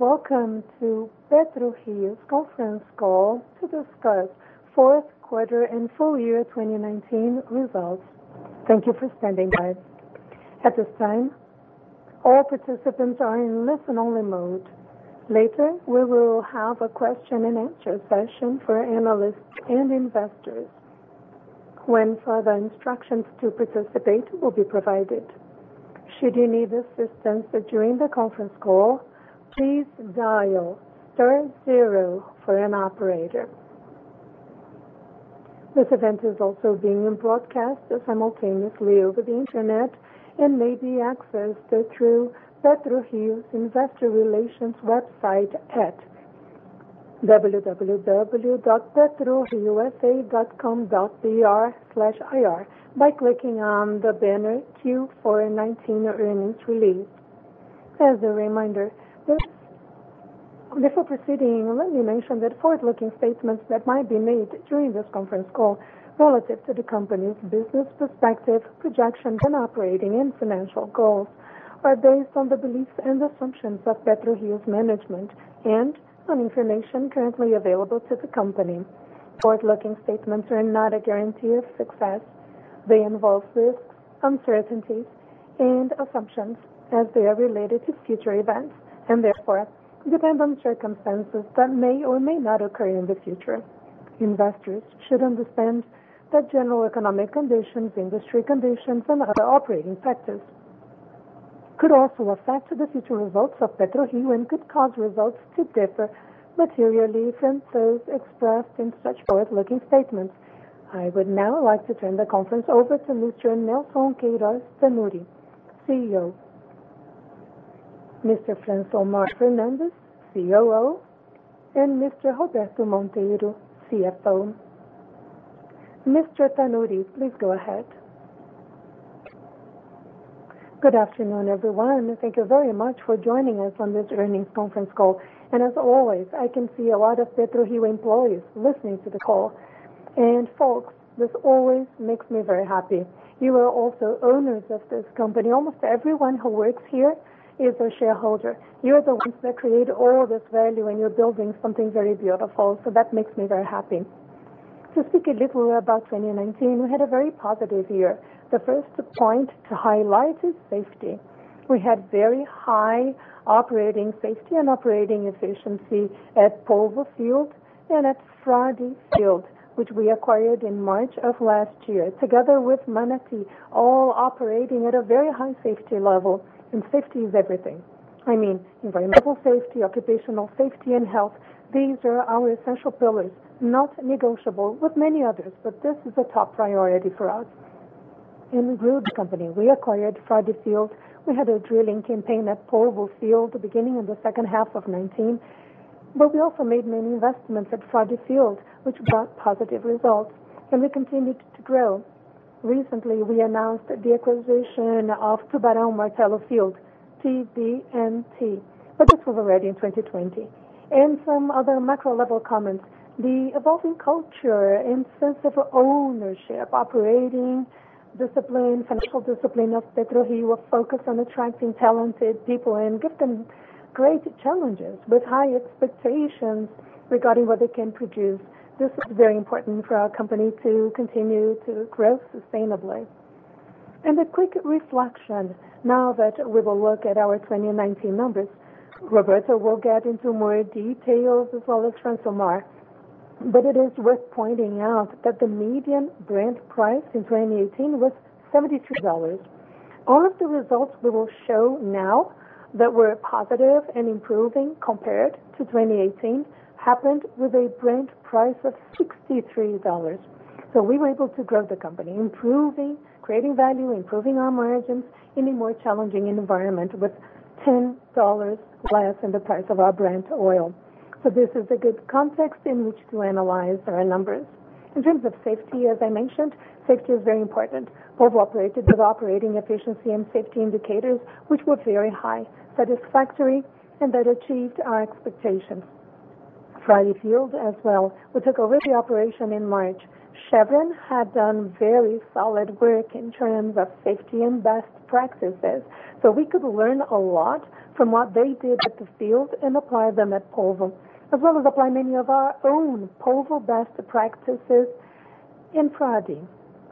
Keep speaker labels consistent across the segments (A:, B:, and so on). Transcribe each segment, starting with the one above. A: Welcome to PetroRio's conference call to discuss fourth quarter and full year 2019 results. Thank you for standing by. At this time, all participants are in listen-only mode. Later, we will have a question and answer session for analysts and investors, when further instructions to participate will be provided. Should you need assistance during the conference call, please dial star zero for an operator. This event is also being broadcast simultaneously over the Internet and may be accessed through PetroRio's investor relations website at www.petroriosa.com.br/ir by clicking on the banner Q4 2019 Earnings Release. As a reminder, before proceeding, let me mention that forward-looking statements that might be made during this conference call relative to the company's business perspective, projections, and operating and financial goals are based on the beliefs and assumptions of PetroRio's management and on information currently available to the company. Forward-looking statements are not a guarantee of success. They involve risks, uncertainties, and assumptions as they are related to future events, and therefore depend on circumstances that may or may not occur in the future. Investors should understand that general economic conditions, industry conditions, and other operating factors could also affect the future results of PetroRio and could cause results to differ materially from those expressed in such forward-looking statements. I would now like to turn the conference over to Mr. Nelson Queiroz Tanure, CEO, Mr. Francilmar Fernandes, COO, and Mr. Roberto Monteiro, CFO. Mr. Tanure, please go ahead.
B: Good afternoon, everyone, and thank you very much for joining us on this earnings conference call. As always, I can see a lot of PetroRio employees listening to the call. Folks, this always makes me very happy. You are also owners of this company. Almost everyone who works here is a shareholder. You are the ones that create all this value. You're building something very beautiful. That makes me very happy. To speak a little about 2019, we had a very positive year. The first point to highlight is safety. We had very high operating safety and operating efficiency at Polvo Field and at Frade Field, which we acquired in March of last year, together with Manati, all operating at a very high safety level. Safety is everything. I mean, environmental safety, occupational safety, and health, these are our essential pillars, not negotiable with many others. This is a top priority for us. We grew the company. We acquired Frade Field. We had a drilling campaign at Polvo at the beginning of the second half of 2019. We also made many investments at Frade Field, which brought positive results. We continued to grow. Recently, we announced the acquisition of Tubarão Martelo field, TBMT. This was already in 2020. Some other macro-level comments. The evolving culture and sense of ownership, operating discipline, financial discipline of PetroRio are focused on attracting talented people and give them great challenges with high expectations regarding what they can produce. This is very important for our company to continue to grow sustainably. A quick reflection now that we will look at our 2019 numbers. Roberto will get into more details, as well as Francilmar. It is worth pointing out that the median Brent price in 2018 was $72. All of the results we will show now that were positive and improving compared to 2018 happened with a Brent price of $63. We were able to grow the company, improving, creating value, improving our margins in a more challenging environment with $10 less in the price of our Brent oil. This is a good context in which to analyze our numbers. In terms of safety, as I mentioned, safety is very important. Polvo operated with operating efficiency and safety indicators, which were very high, satisfactory, and that achieved our expectations. Frade Field as well. We took over the operation in March. Chevron had done very solid work in terms of safety and best practices, we could learn a lot from what they did at the field and apply them at Polvo, as well as apply many of our own Polvo best practices in Frade.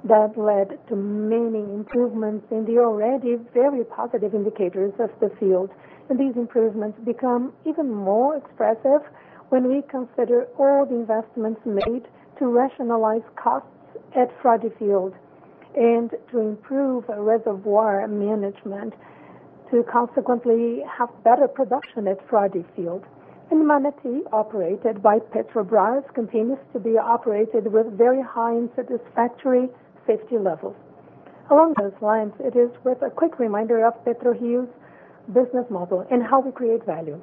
B: That led to many improvements in the already very positive indicators of the field. These improvements become even more expressive when we consider all the investments made to rationalize costs at Frade Field and to improve reservoir management to consequently have better production at Frade Field. Manati, operated by Petrobras, continues to be operated with very high and satisfactory safety levels. Along those lines, it is with a quick reminder of PetroRio's business model and how we create value.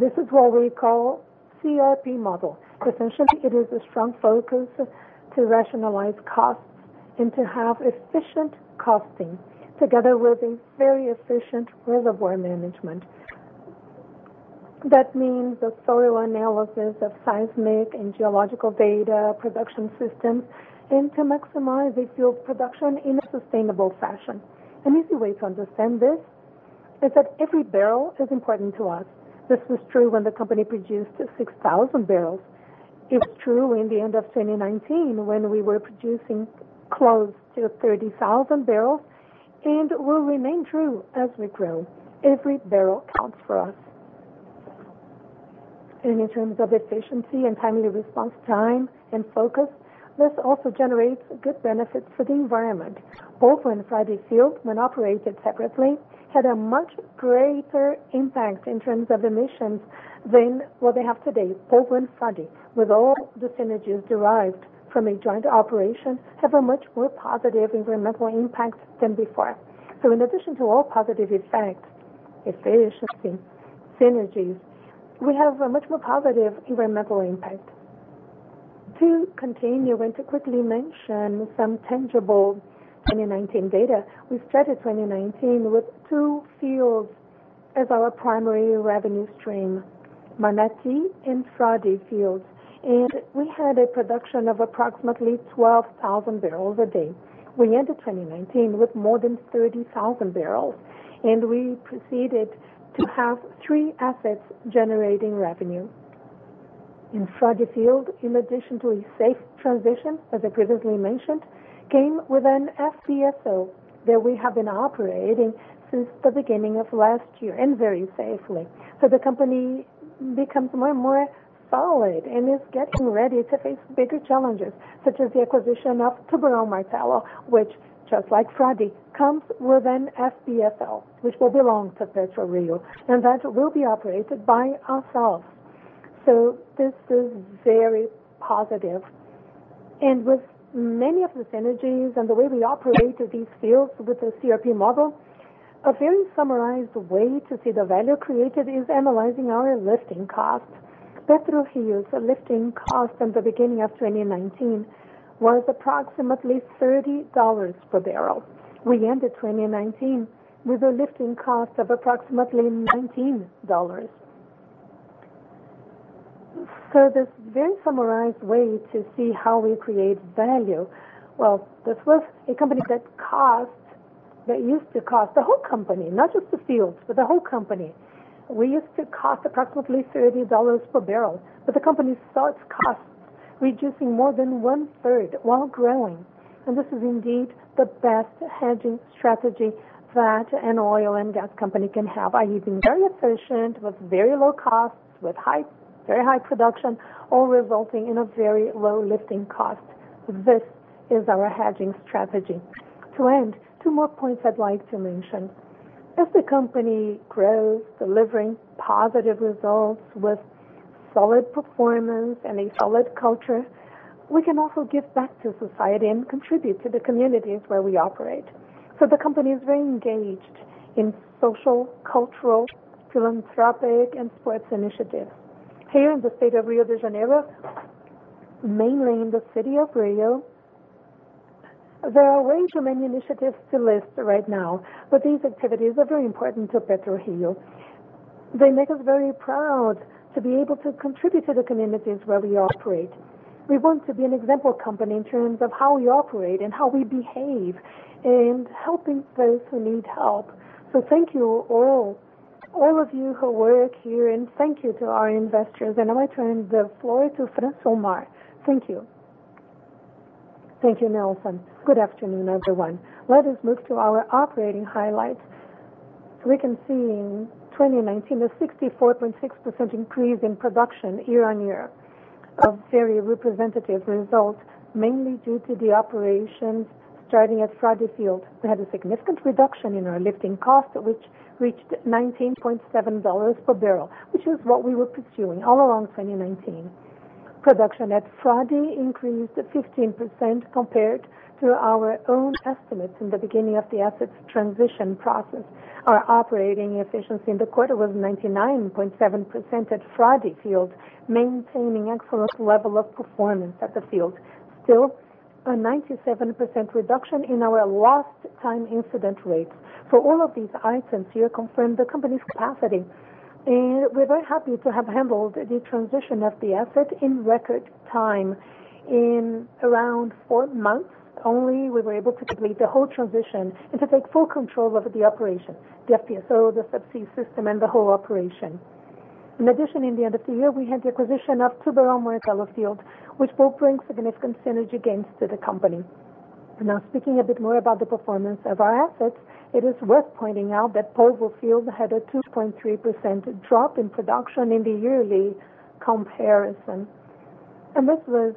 B: This is what we call CRP model. Essentially, it is a strong focus to rationalize costs and to have efficient costing together with a very efficient reservoir management. That means the thorough analysis of seismic and geological data production systems, and to maximize the field production in a sustainable fashion. An easy way to understand this is that every barrel is important to us. This was true when the company produced 6,000 bbl. It was true in the end of 2019, when we were producing close to 30,000 bbl, and will remain true as we grow. Every barrel counts for us. In terms of efficiency and timely response time and focus, this also generates good benefits for the environment. Polvo and Frade field, when operated separately, had a much greater impact in terms of emissions than what they have today. Polvo and Frade, with all the synergies derived from a joint operation, have a much more positive environmental impact than before. In addition to all positive effects, efficiency, synergies, we have a much more positive environmental impact. To continue, I want to quickly mention some tangible 2019 data. We started 2019 with two fields as our primary revenue stream, Manati and Frade fields. We had a production of approximately 12,000 bbl a day. We ended 2019 with more than 30,000 bbl. We proceeded to have three assets generating revenue. In Frade field, in addition to a safe transition, as I previously mentioned, came with an FPSO that we have been operating since the beginning of last year, and very safely. The company becomes more and more solid and is getting ready to face bigger challenges, such as the acquisition of Tubarão Martelo, which, just like Frade, comes with an FPSO, which will belong to PetroRio. That will be operated by ourselves. This is very positive. With many of the synergies and the way we operate these fields with the CRP model, a very summarized way to see the value created is analyzing our lifting cost. PetroRio's lifting cost at the beginning of 2019 was approximately $30 per barrel. We ended 2019 with a lifting cost of approximately $19. This very summarized way to see how we create value. Well, this was a company that used to cost, the whole company, not just the fields, but the whole company. We used to cost approximately $30 per barrel, but the company saw its costs reducing more than 1/3 while growing. This is indeed the best hedging strategy that an oil and gas company can have, by being very efficient, with very low costs, with very high production, all resulting in a very low lifting cost. This is our hedging strategy. To end, two more points I'd like to mention. As the company grows, delivering positive results with solid performance and a solid culture, we can also give back to society and contribute to the communities where we operate. The company is very engaged in social, cultural, philanthropic, and sports initiatives. Here in the state of Rio de Janeiro, mainly in the city of Rio, there are a range of many initiatives to list right now, but these activities are very important to PetroRio. They make us very proud to be able to contribute to the communities where we operate. We want to be an example company in terms of how we operate and how we behave in helping those who need help. Thank you all of you who work here, and thank you to our investors. I will turn the floor to Francilmar. Thank you.
C: Thank you, Nelson. Good afternoon, everyone. Let us move to our operating highlights. We can see in 2019 a 64.6% increase in production year-on-year of very representative results, mainly due to the operations starting at Frade field. We had a significant reduction in our lifting cost, which reached $19.70 per barrel, which is what we were pursuing all along 2019. Production at Frade increased 15% compared to our own estimates in the beginning of the asset's transition process. Our operating efficiency in the quarter was 99.7% at Frade field, maintaining excellent level of performance at the field. Still, a 97% reduction in our lost time incident rates. All of these items here confirm the company's capacity, and we're very happy to have handled the transition of the asset in record time. In around four months only, we were able to complete the whole transition and to take full control over the operation, the FPSO, the subsea system, and the whole operation. In addition, in the end of the year, we had the acquisition of Tubarão Martelo field, which will bring significant synergy gains to the company. Now, speaking a bit more about the performance of our assets, it is worth pointing out that Polvo field had a 2.3% drop in production in the yearly comparison. This was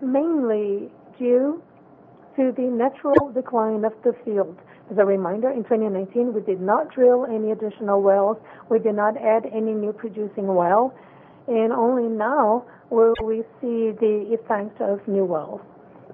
C: mainly due to the natural decline of the field. As a reminder, in 2019, we did not drill any additional wells. We did not add any new producing well. Only now will we see the effect of new wells.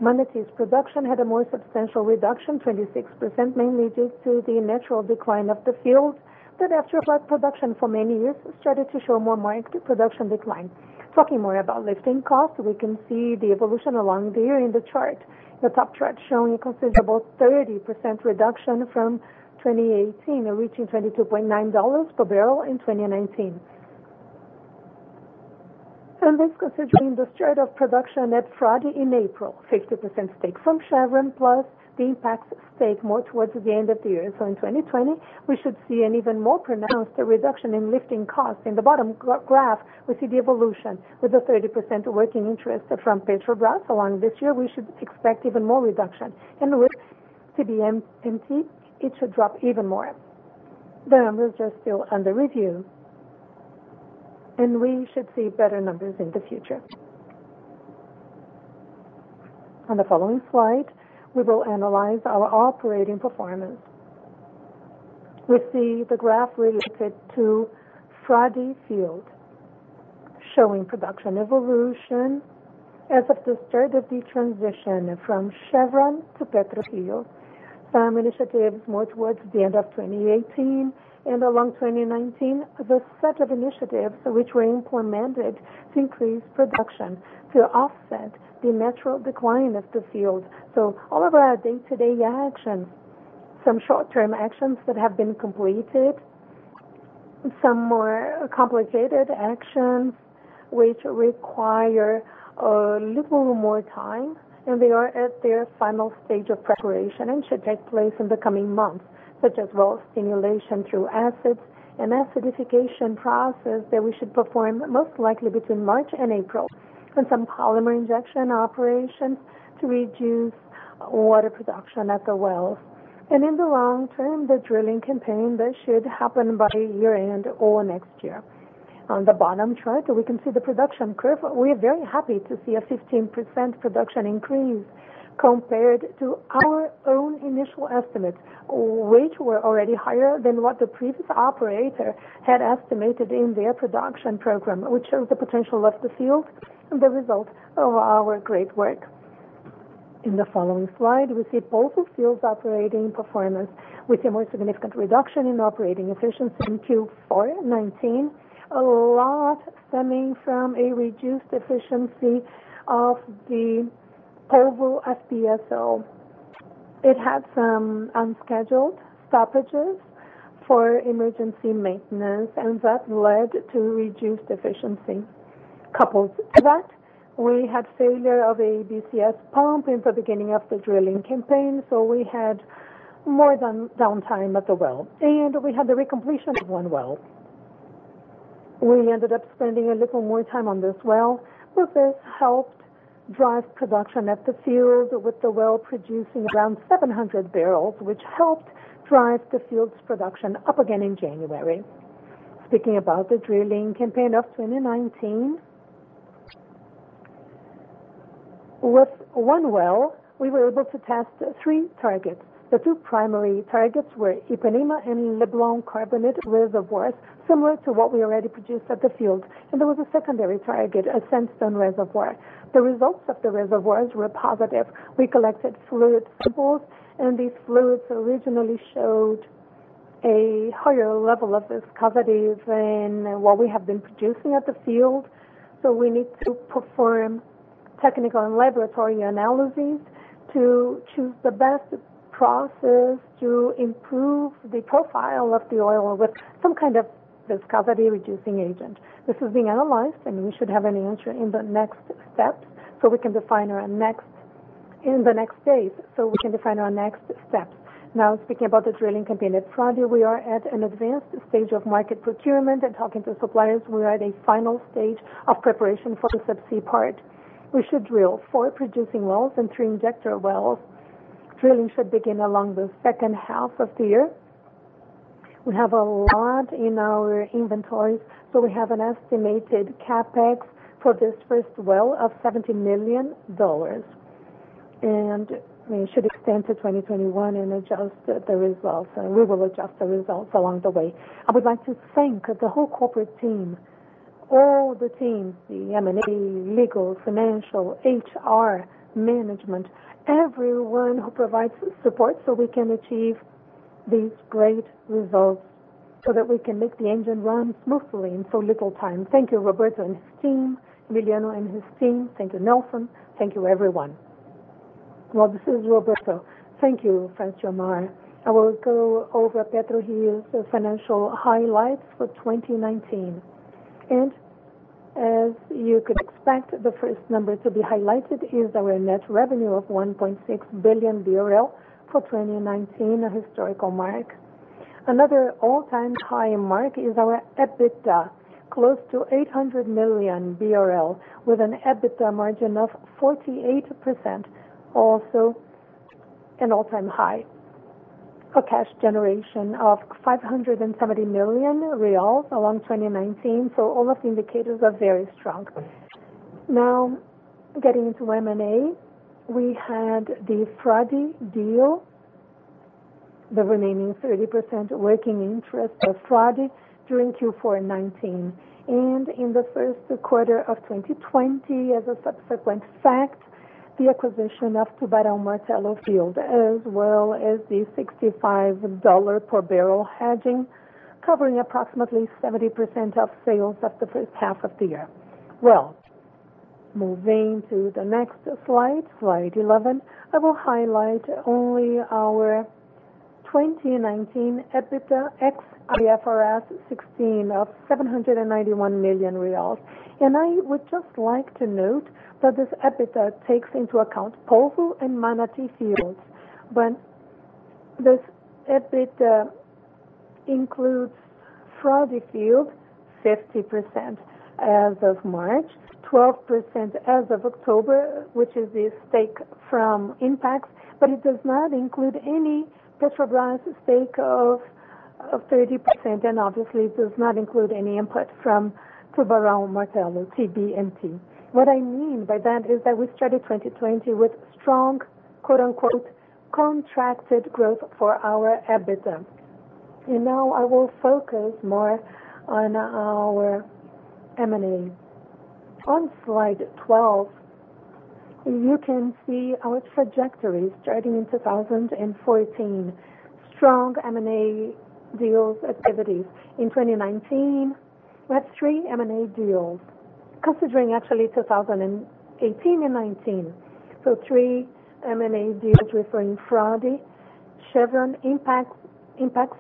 C: Manati's production had a more substantial reduction, 26%, mainly due to the natural decline of the field, that after high production for many years, started to show more production decline. Talking more about lifting costs, we can see the evolution along the year in the chart. The top chart showing a considerable 30% reduction from 2018, reaching $22.9 per barrel in 2019. Let's consider the start of production at Frade in April, 50% stake from Chevron, plus the impact stake more towards the end of the year. In 2020, we should see an even more pronounced reduction in lifting costs. In the bottom graph, we see the evolution with the 30% working interest from Petrobras. Along this year, we should expect even more reduction. With TBMT, it should drop even more. The numbers are still under review, and we should see better numbers in the future. On the following slide, we will analyze our operating performance. We see the graph related to Frade field, showing production evolution as of the start of the transition from Chevron to PetroRio. Some initiatives more towards the end of 2018 and along 2019, the set of initiatives which were implemented to increase production to offset the natural decline of the field. All of our day-to-day actions, some short-term actions that have been completed, some more complicated actions which require a little more time, and they are at their final stage of preparation and should take place in the coming months, such as well stimulation through acids and acidification process that we should perform most likely between March and April, and some polymer injection operations to reduce water production at the wells. In the long term, the drilling campaign that should happen by year-end or next year. On the bottom chart, we can see the production curve. We are very happy to see a 15% production increase compared to our own initial estimates, which were already higher than what the previous operator had estimated in their production program, which shows the potential of the field and the result of our great work. In the following slide, we see Polvo fields operating performance with a more significant reduction in operating efficiency in Q4 2019, a lot stemming from a reduced efficiency of the Polvo FPSO. It had some unscheduled stoppages for emergency maintenance, and that led to reduced efficiency. Coupled to that, we had failure of an ESP pump in the beginning of the drilling campaign, so we had more downtime at the well. We had the re-completion of one well. We ended up spending a little more time on this well, but this helped drive production at the field with the well producing around 700 bbl, which helped drive the field's production up again in January. Speaking about the drilling campaign of 2019, with one well, we were able to test three targets. The two primary targets were Ipanema and Leblon Carbonate reservoirs, similar to what we already produced at the field. There was a secondary target, a sandstone reservoir. The results of the reservoirs were positive. We collected fluid samples, and these fluids originally showed a higher level of viscosity than what we have been producing at the field. We need to perform technical and laboratory analyses to choose the best process to improve the profile of the oil with some kind of viscosity-reducing agent. This is being analyzed, and we should have an answer in the next days, so we can define our next steps. Speaking about the drilling campaign at Frade, we are at an advanced stage of market procurement and talking to suppliers. We are at a final stage of preparation for the subsea part. We should drill four producing wells and three injector wells. Drilling should begin along the second half of the year. We have a lot in our inventories, we have an estimated CapEx for this first well of $70 million. We should extend to 2021 and adjust the results, and we will adjust the results along the way. I would like to thank the whole corporate team, all the teams, the M&A, legal, financial, HR, management, everyone who provides support so we can achieve these great results, so that we can make the engine run smoothly in so little time. Thank you, Roberto and his team, Emiliano and his team. Thank you, Nelson. Thank you, everyone.
D: Well, this is Roberto. Thank you, Francilmar. I will go over PetroRio's financial highlights for 2019. As you could expect, the first number to be highlighted is our net revenue of 1.6 billion BRL for 2019, a historical mark. Another all-time high mark is our EBITDA, close to 800 million BRL, with an EBITDA margin of 48%, also an all-time high. A cash generation of 570 million reais along 2019, so all of the indicators are very strong. Now, getting into M&A, we had the Frade deal, the remaining 30% working interest of Frade during Q4 2019. In the first quarter of 2020, as a subsequent fact, the acquisition of Tubarão Martelo field, as well as the $65 per barrel hedging, covering approximately 70% of sales of the first half of the year. Well, moving to the next slide 11, I will highlight only our 2019 EBITDA ex IFRS 16 of BRL 791 million. I would just like to note that this EBITDA takes into account Polvo and Manati fields. When this EBITDA includes Frade field, 50% as of March, 12% as of October, which is the stake from Inpex. It does not include any Petrobras stake of 30%, and obviously, it does not include any input from Tubarão Martelo, TBMT. What I mean by that is that we started 2020 with strong, "contracted growth for our EBITDA." Now I will focus more on our M&A. On slide 12, you can see our trajectory starting in 2014. Strong M&A deals activities. In 2019, we had three M&A deals. Considering actually 2018 and 2019. Three M&A deals referring Frade, Chevron, Inpex,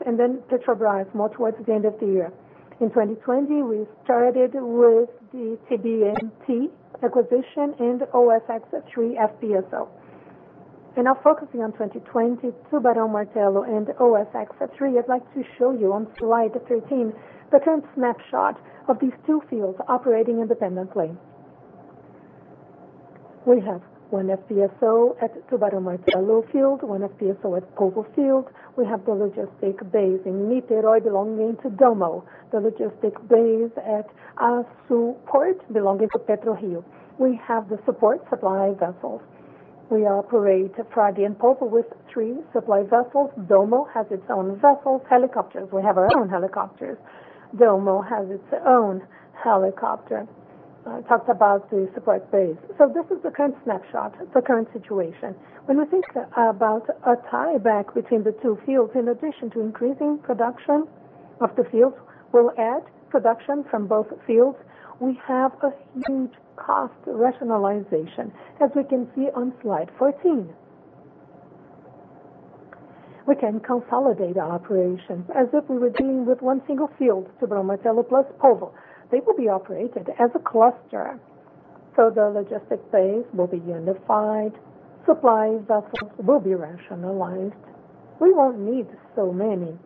D: and then Petrobras more towards the end of the year. In 2020, we started with the TBMT acquisition and OSX-3 FPSO. Now focusing on 2020, Tubarão Martelo and OSX-3, I'd like to show you on slide 13 the current snapshot of these two fields operating independently. We have one FPSO at Tubarão Martelo field, one FPSO at Polvo field. We have the logistic base in Niterói belonging to Dommo, the logistic base at Açu port belonging to PetroRio. We have the support supply vessels. We operate Frade and Polvo with three supply vessels. Dommo has its own vessels, helicopters. We have our own helicopters. Dommo has its own helicopter. I talked about the support base. This is the current snapshot, the current situation. When we think about a tie-back between the two fields, in addition to increasing production of the fields, we'll add production from both fields. We have a huge cost rationalization, as we can see on slide 14. We can consolidate our operations as if we were dealing with one single field, Tubarão Martelo plus Polvo. They will be operated as a cluster. The logistic base will be unified. Supply vessels will be rationalized. We won't need so many.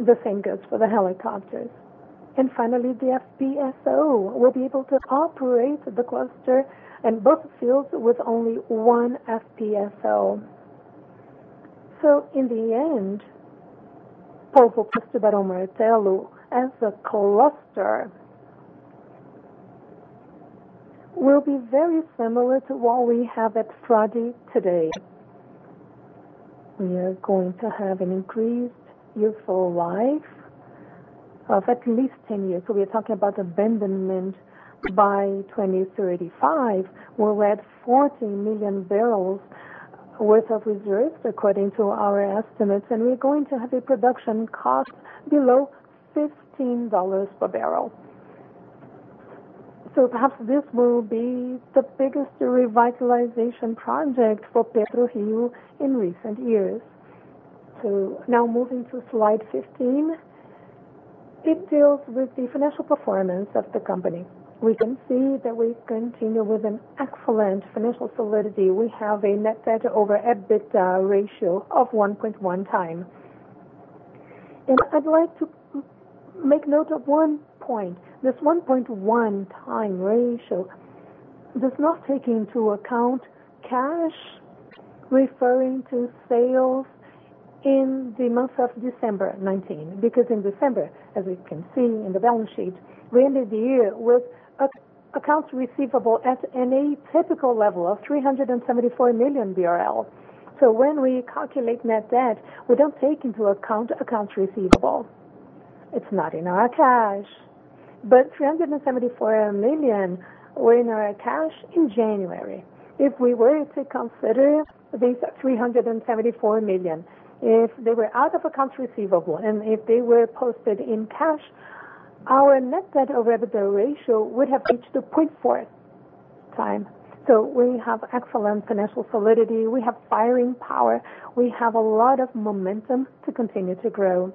D: The same goes for the helicopters. Finally, the FPSO will be able to operate the cluster and both fields with only one FPSO. In the end, Polvo plus Tubarão Martelo as a cluster will be very similar to what we have at Frade today. We are going to have an increased useful life of at least 10 years. We are talking about abandonment by 2035, where we had 40 million barrels worth of reserves according to our estimates, and we're going to have a production cost below BRL 15 per barrel. Perhaps this will be the biggest revitalization project for PetroRio in recent years. Moving to slide 15, it deals with the financial performance of the company. We can see that we continue with an excellent financial solidity. We have a net debt over EBITDA ratio of 1.1x. I'd like to make note of one point. This 1.1x ratio does not take into account cash referring to sales in the month of December 2019, because in December, as we can see in the balance sheet, we ended the year with accounts receivable at an atypical level of 374 million BRL. When we calculate net debt, we don't take into account accounts receivable. It's not in our cash. 374 million were in our cash in January. If we were to consider these 374 million, if they were out of accounts receivable, and if they were posted in cash, our net debt over EBITDA ratio would have reached a 0.4x. We have excellent financial solidity. We have firing power. We have a lot of momentum to continue to grow.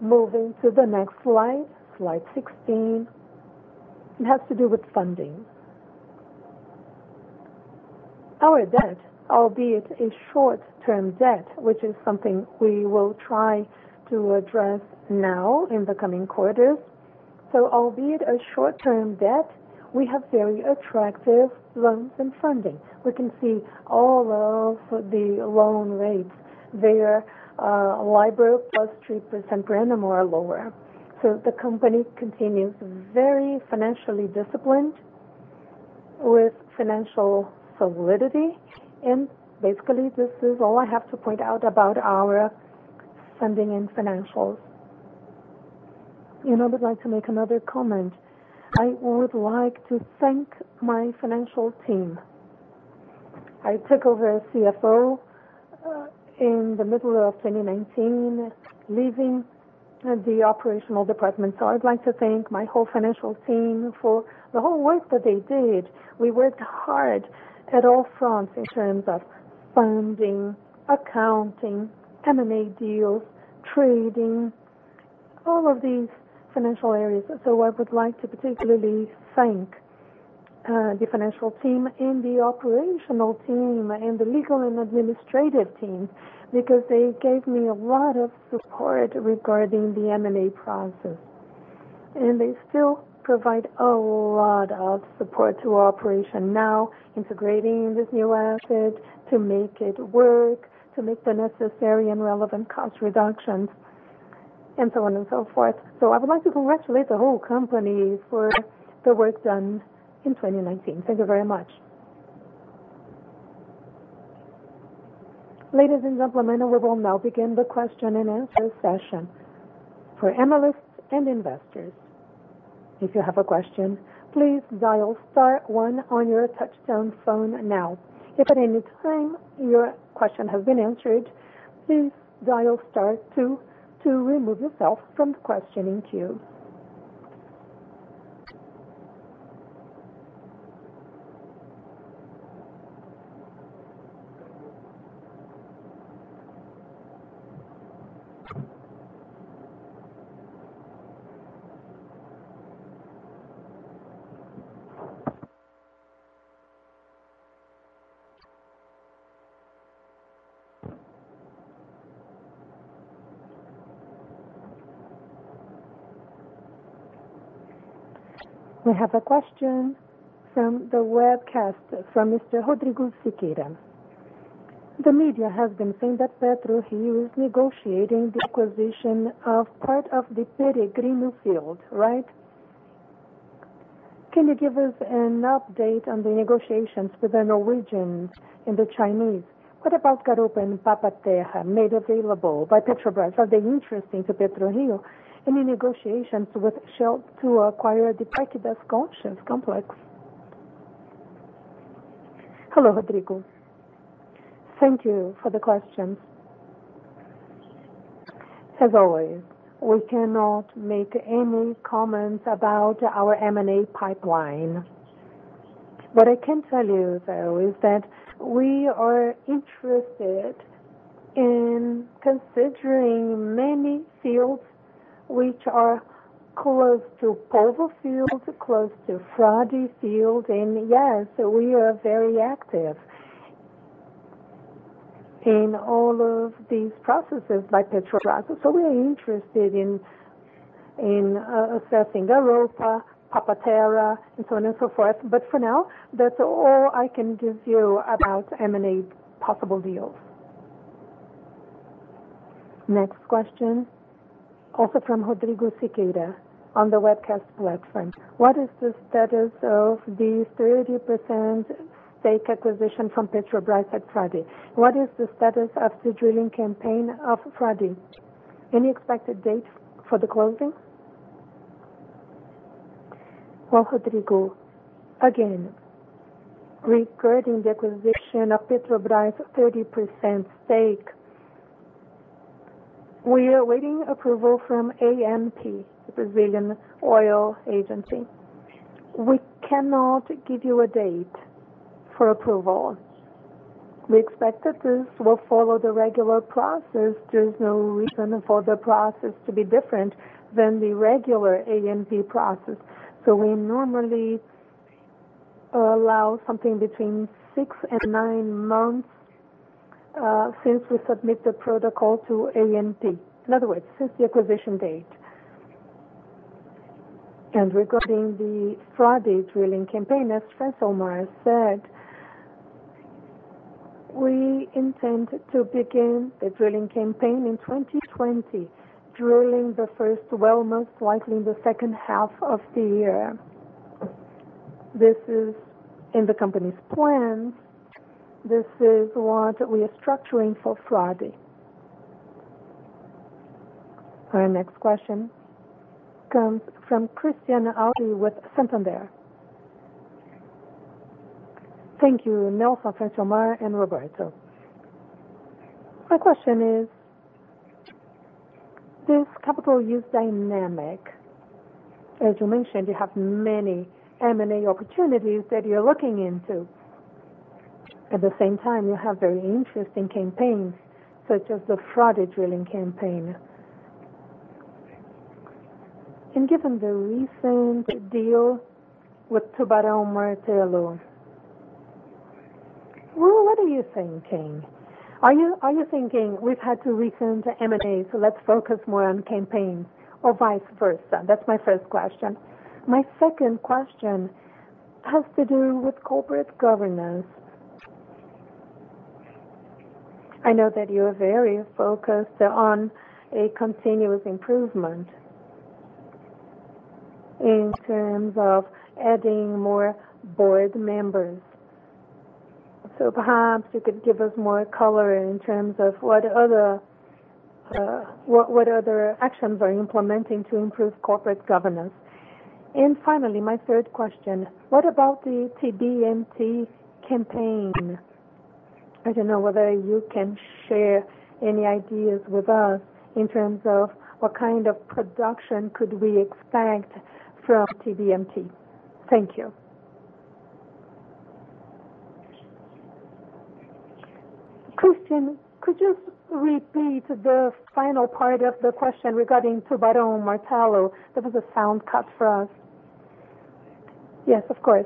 D: Moving to the next slide 16, it has to do with funding. Our debt, albeit a short-term debt, which is something we will try to address now in the coming quarters. Albeit a short-term debt, we have very attractive loans and funding. We can see all of the loan rates. They are LIBOR +3% per annum or lower. The company continues very financially disciplined with financial solidity, and basically, this is all I have to point out about our funding and financials. I would like to make another comment. I would like to thank my financial team. I took over CFO in the middle of 2019, leaving the operational department. I'd like to thank my whole financial team for the whole work that they did. We worked hard at all fronts in terms of funding, accounting, M&A deals, trading, all of these financial areas. I would like to particularly thank the financial team and the operational team, the legal and administrative team, because they gave me a lot of support regarding the M&A process. They still provide a lot of support to our operation now, integrating this new asset to make it work, to make the necessary and relevant cost reductions, and so on and so forth. I would like to congratulate the whole company for the work done in 2019. Thank you very much.
A: Ladies and gentlemen, we will now begin the question and answer session for analysts and investors. If you have a question, please dial star one on your touch-tone phone now. If at any time your question has been answered, please dial star two to remove yourself from the questioning queue. We have a question from the webcast from Mr. Rodrigo Siqueira. The media has been saying that PetroRio is negotiating the acquisition of part of the Peregrino field, right? Can you give us an update on the negotiations with the Norwegians and the Chinese? What about Garoupa and Papa-Terra made available by Petrobras? Are they interesting to PetroRio? Any negotiations with Shell to acquire the Parque das Conchas complex?
B: Hello, Rodrigo. Thank you for the questions. As always, we cannot make any comments about our M&A pipeline. What I can tell you, though, is that we are interested in considering many fields which are close to Polvo field, close to Frade field, and yes, we are very active in all of these processes by Petrobras. We are interested in assessing Garoupa, Papa-Terra, and so on and so forth. For now, that's all I can give you about M&A possible deals.
A: Next question, also from Rodrigo Siqueira on the webcast platform. What is the status of the 30% stake acquisition from Petrobras at Frade? What is the status of the drilling campaign of Frade? Any expected date for the closing?
B: Well, Rodrigo, again, regarding the acquisition of Petrobras' 30% stake, we are awaiting approval from ANP, the Brazilian oil agency. We cannot give you a date for approval. We expect that this will follow the regular process. There's no reason for the process to be different than the regular ANP process. We normally allow something between 6 and 9 months, since we submit the protocol to ANP, in other words, since the acquisition date. Regarding the Frade drilling campaign, as Francilmar Fernandes said, we intend to begin the drilling campaign in 2020, drilling the first well most likely in the second half of the year. This is in the company's plans. This is what we are structuring for Frade.
A: Our next question comes from Christian Audi with Santander.
E: Thank you, Nelson, Francilmar, and Roberto. My question is, this capital use dynamic, as you mentioned, you have many M&A opportunities that you're looking into. At the same time, you have very interesting campaigns, such as the Frade drilling campaign. Given the recent deal with Tubarão Martelo, what are you thinking? Are you thinking we've had two recent M&As, so let's focus more on campaigns or vice versa? That's my first question. My second question has to do with corporate governance. I know that you are very focused on a continuous improvement in terms of adding more board members. Perhaps you could give us more color in terms of what other actions are you implementing to improve corporate governance? Finally, my third question, what about the TBMT campaign? I don't know whether you can share any ideas with us in terms of what kind of production could we expect from TBMT. Thank you.
D: Christian, could you repeat the final part of the question regarding Tubarão Martelo? There was a sound cut for us.
E: Yes, of course.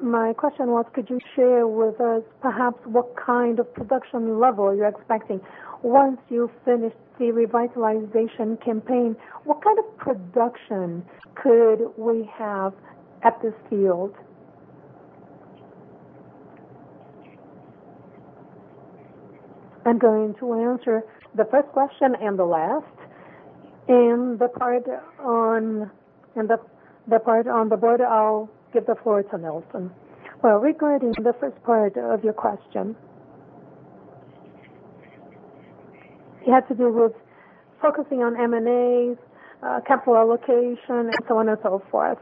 E: My question was, could you share with us perhaps what kind of production level you're expecting once you finish the revitalization campaign? What kind of production could we have at this field?
D: I'm going to answer the first question and the last. The part on the board, I'll give the floor to Nelson. Well, regarding the first part of your question, it had to do with focusing on M&As, capital allocation, and so on and so forth.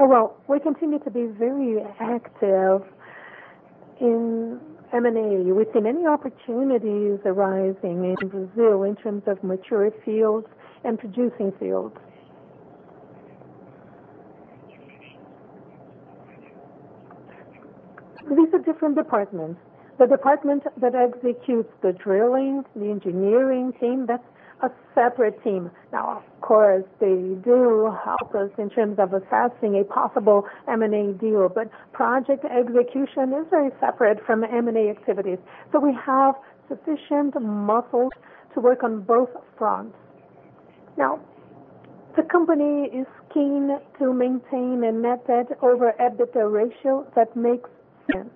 D: Well, we continue to be very active in M&A. We've seen many opportunities arising in Brazil in terms of mature fields and producing fields. These are different departments. The department that executes the drilling, the engineering team, that's a separate team. Of course, they do help us in terms of assessing a possible M&A deal, but project execution is very separate from M&A activities. We have sufficient muscle to work on both fronts. The company is keen to maintain a net debt over EBITDA ratio that makes sense.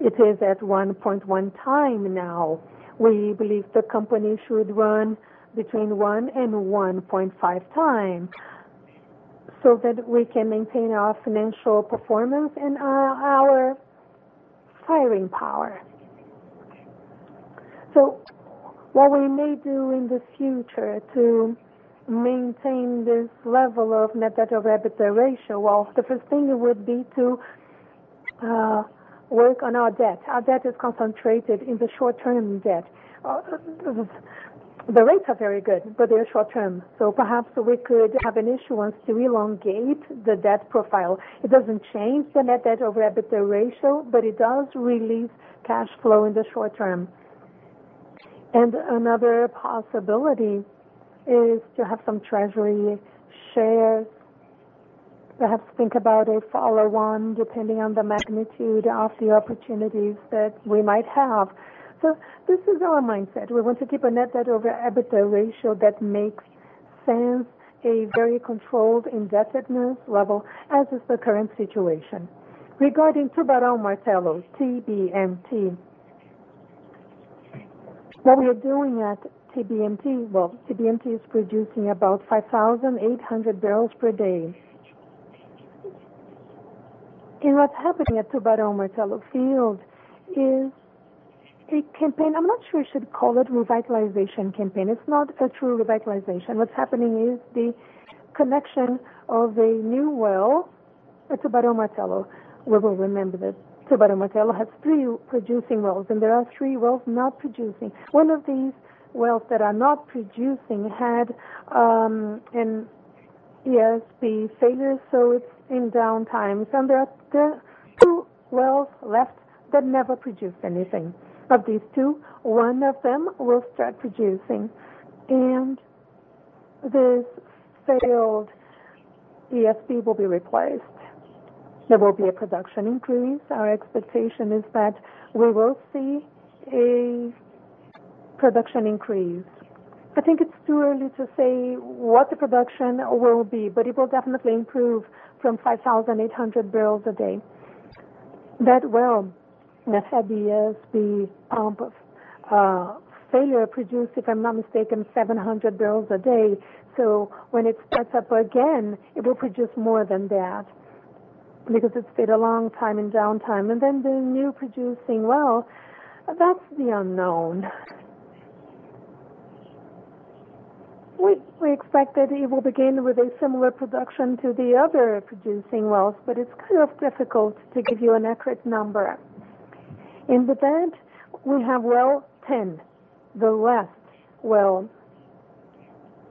D: It is at 1.1x now. We believe the company should run between 1x and 1.5x, so that we can maintain our financial performance and our firing power. What we may do in the future to maintain this level of net debt over EBITDA ratio, well, the first thing would be to work on our debt. Our debt is concentrated in the short-term debt. The rates are very good, but they are short-term. Perhaps we could have an issuance to elongate the debt profile. It doesn't change the net debt over EBITDA ratio, but it does release cash flow in the short term. Another possibility is to have some treasury shares, perhaps think about a follow-on, depending on the magnitude of the opportunities that we might have. This is our mindset. We want to keep a net debt over EBITDA ratio that makes sense, a very controlled indebtedness level, as is the current situation. Regarding Tubarão Martelo, TBMT. What we are doing at TBMT, well, TBMT is producing about 5,800 bbl per day. What's happening at Tubarão Martelo field is a campaign. I'm not sure we should call it revitalization campaign. It's not a true revitalization. What's happening is the connection of a new well at Tubarão Martelo. We will remember that Tubarão Martelo has three producing wells, and there are three wells not producing. One of these wells that are not producing had an ESP failure, so it's in downtime. There are two wells left that never produced anything. Of these two, one of them will start producing. This failed ESP will be replaced. There will be a production increase. Our expectation is that we will see a production increase. I think it's too early to say what the production will be, but it will definitely improve from 5,800 bbl a day. That well that had the ESP pump failure produced, if I'm not mistaken, 700 bbl a day. When it starts up again, it will produce more than that because it stayed a long time in downtime. The new producing well, that's the unknown. We expect that it will begin with a similar production to the other producing wells, but it's kind of difficult to give you an accurate number. In Baúna, we have well 10, the last well.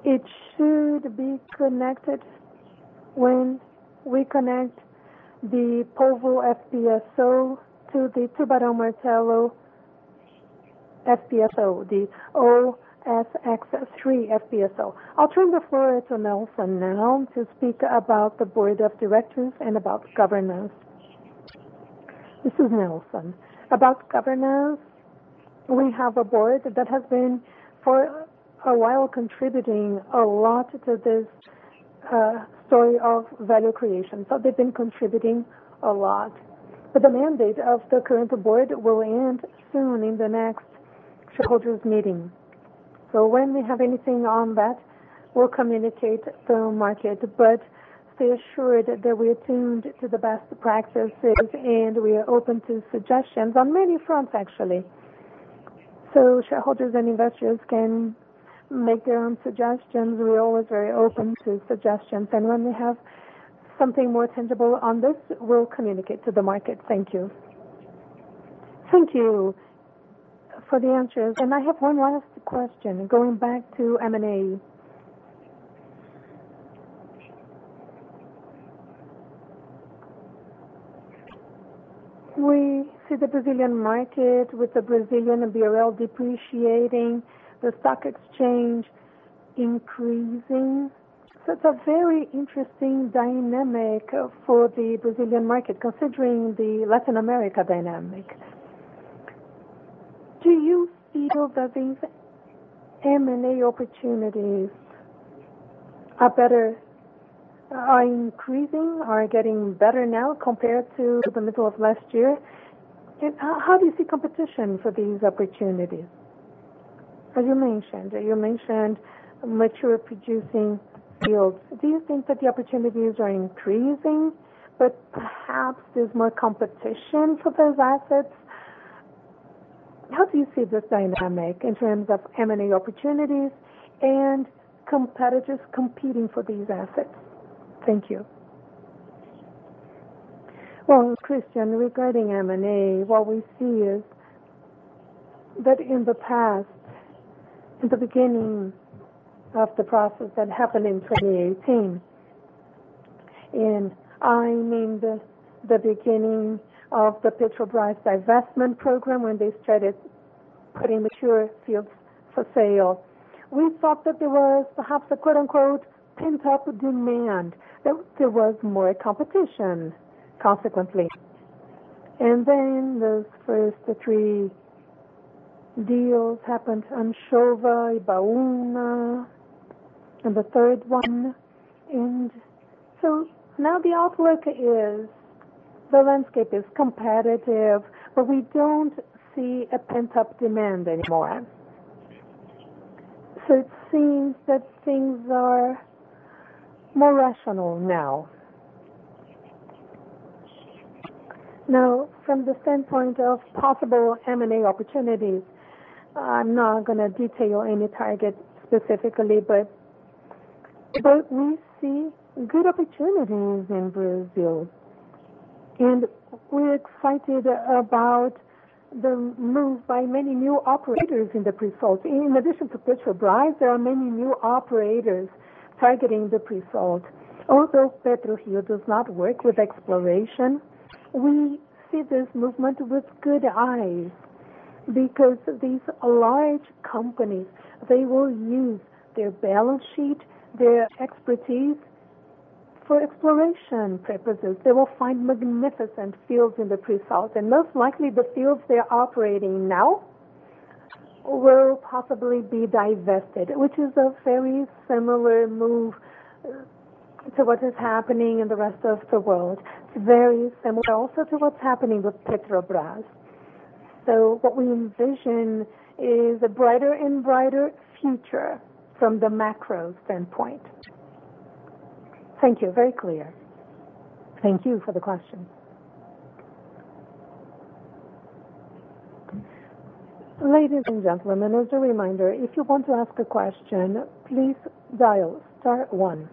D: It should be connected when we connect the Polvo FPSO to the Tubarão Martelo FPSO, the OSX-3 FPSO. I'll turn the floor to Nelson now to speak about the board of directors and about governance.
B: This is Nelson. About governance, we have a board that has been for a while contributing a lot to this story of value creation. They've been contributing a lot. The mandate of the current board will end soon in the next shareholders meeting. When we have anything on that, we'll communicate to the market. Stay assured that we are tuned to the best practices, and we are open to suggestions on many fronts, actually. Shareholders and investors can make their own suggestions. We are always very open to suggestions. When we have something more tangible on this, we will communicate to the market. Thank you.
E: Thank you for the answers. I have one last question, going back to M&A. We see the Brazilian market with the Brazilian real depreciating, the stock exchange increasing. It is a very interesting dynamic for the Brazilian market, considering the Latin America dynamic. Do you feel that these M&A opportunities are increasing, are getting better now compared to the middle of last year? How do you see competition for these opportunities? As you mentioned, you mentioned mature producing fields. Do you think that the opportunities are increasing but perhaps there is more competition for those assets? How do you see this dynamic in terms of M&A opportunities and competitors competing for these assets? Thank you.
D: Well, Christian, regarding M&A, what we see is that in the past, at the beginning of the process that happened in 2018. I mean the beginning of the Petrobras divestment program when they started putting mature fields for sale. We thought that there was perhaps a "pent-up demand." There was more competition, consequently. Those first three deals happened, Anchova, Baúna, and the third one- Now the outlook is the landscape is competitive, but we don't see a pent-up demand anymore. It seems that things are more rational now. Now, from the standpoint of possible M&A opportunities, I'm not going to detail any target specifically, but we see good opportunities in Brazil. We're excited about the move by many new operators in the pre-salt. In addition to Petrobras, there are many new operators targeting the pre-salt. Although PetroRio does not work with exploration, we see this movement with good eyes because these large companies, they will use their balance sheet, their expertise for exploration purposes. They will find magnificent fields in the pre-salt, and most likely the fields they are operating now will possibly be divested, which is a very similar move to what is happening in the rest of the world. It's very similar also to what's happening with Petrobras. What we envision is a brighter and brighter future from the macro standpoint.
E: Thank you. Very clear.
D: Thank you for the question.
A: Ladies and gentlemen, as a reminder, if you want to ask a question, please dial star one.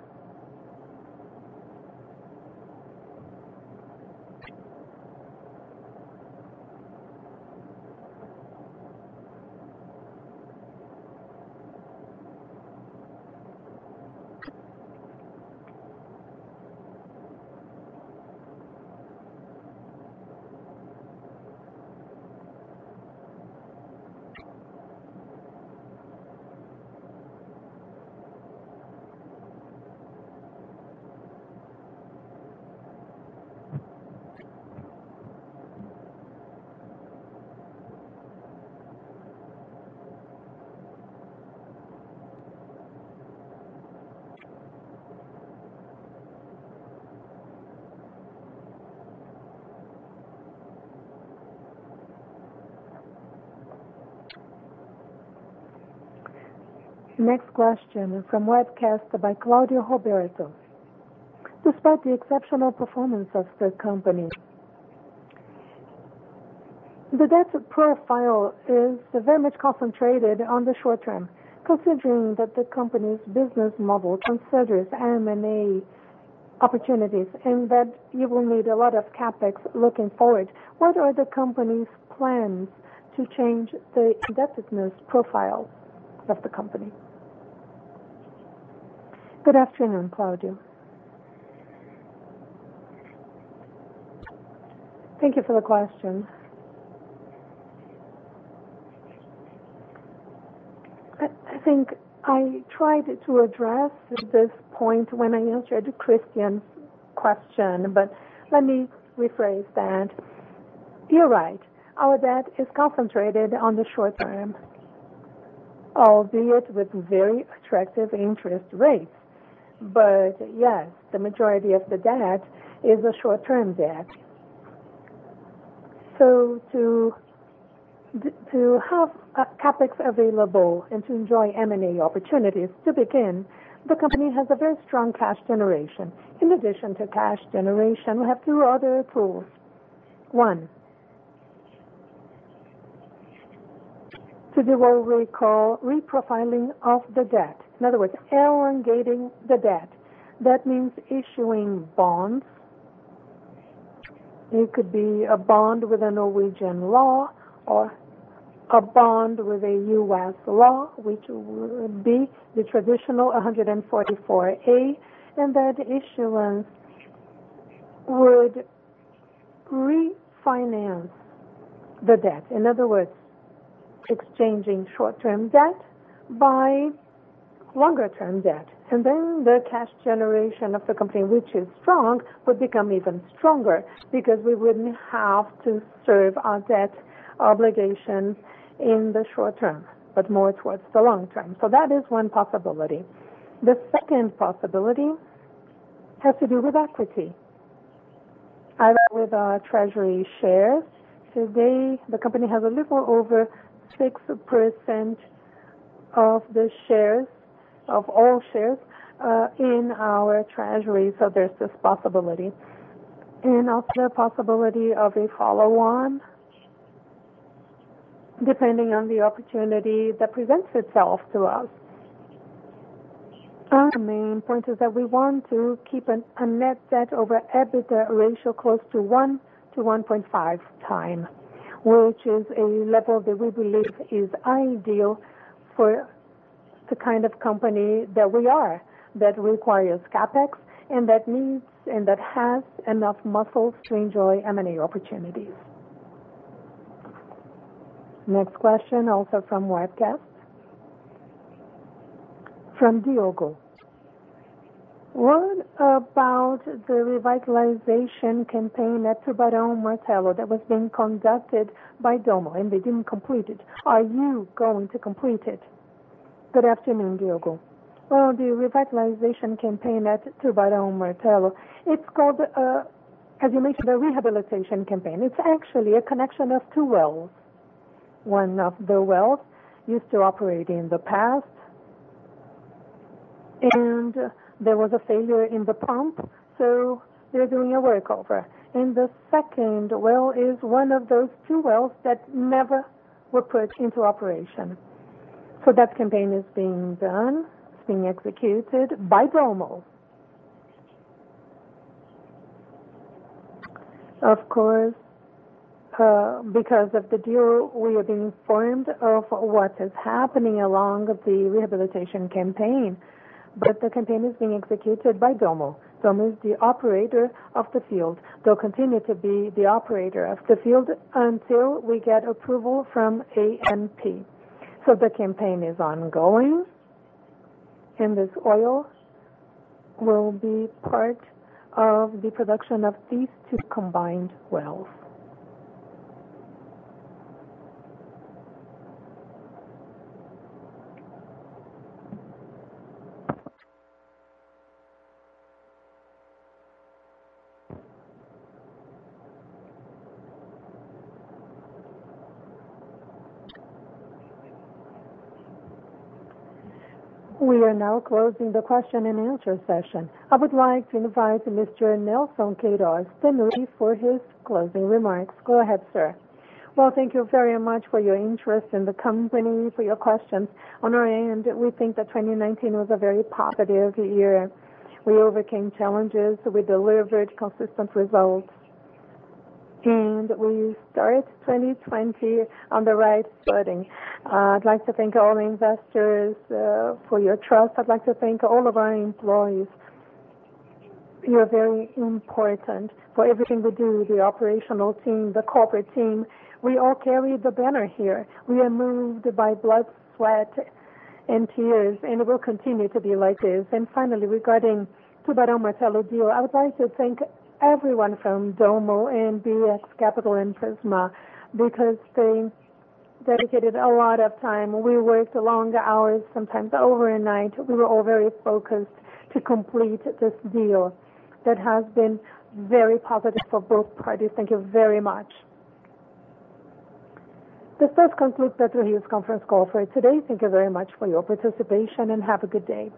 A: Next question from webcast by Claudio Roberto. Despite the exceptional performance of the company, the debt profile is very much concentrated on the short term. Considering that the company's business model considers M&A opportunities and that you will need a lot of CapEx looking forward, what are the company's plans to change the indebtedness profile of the company?
D: Good afternoon, Claudio. Thank you for the question. I think I tried to address this point when I answered Christian 's question, let me rephrase that. You're right. Our debt is concentrated on the short term, albeit with very attractive interest rates. Yes, the majority of the debt is a short-term debt. To have CapEx available and to enjoy M&A opportunities to begin, the company has a very strong cash generation. In addition to cash generation, we have two other tools. One, to do what we call reprofiling of the debt. In other words, elongating the debt. That means issuing bonds. It could be a bond with a Norwegian law or a bond with a U.S. law, which would be the traditional 144-A. That issuance would refinance the debt, in other words, exchanging short-term debt by longer-term debt. Then the cash generation of the company, which is strong, would become even stronger because we wouldn't have to serve our debt obligations in the short term, but more towards the long term. That is one possibility. The second possibility has to do with equity. Either with our treasury shares. Today, the company has a little over 6% of all shares in our treasury. There's this possibility. Also the possibility of a follow-on, depending on the opportunity that presents itself to us. Our main point is that we want to keep a net debt over EBITDA ratio close to one to 1.5x, which is a level that we believe is ideal for the kind of company that we are. That requires CapEx and that has enough muscles to enjoy M&A opportunities.
A: Next question, also from webcast. From Diogo. What about the revitalization campaign at Tubarão Martelo that was being conducted by Dommo, They didn't complete it. Are you going to complete it?
B: Good afternoon, Diogo. Well, the revitalization campaign at Tubarão Martelo, it's called, as you mentioned, a rehabilitation campaign. It's actually a connection of two wells. One of the wells used to operate in the past, and there was a failure in the pump, so they're doing a workover. The second well is one of those two wells that never were put into operation.
D: That campaign is being done. It's being executed by Dommo. Of course, because of the deal, we are being informed of what is happening along the rehabilitation campaign. The campaign is being executed by Dommo. Dommo is the operator of the field. They'll continue to be the operator of the field until we get approval from ANP. The campaign is ongoing, and this oil will be part of the production of these two combined wells.
A: We are now closing the question and answer session. I would like to invite Mr. Nelson Queiroz Tanure for his closing remarks. Go ahead, sir.
B: Well, thank you very much for your interest in the company, for your questions. On our end, we think that 2019 was a very positive year. We overcame challenges. We delivered consistent results. We started 2020 on the right footing. I'd like to thank all investors for your trust. I'd like to thank all of our employees. You are very important for everything we do. The operational team, the corporate team, we all carry the banner here. We are moved by blood, sweat, and tears, and will continue to be like this. Finally, regarding Tubarão Martelo deal, I would like to thank everyone from Dommo and BX Capital and Prisma because they dedicated a lot of time. We worked long hours, sometimes overnight. We were all very focused to complete this deal that has been very positive for both parties. Thank you very much.
A: This does conclude PetroRio's conference call for today. Thank you very much for your participation, and have a good day.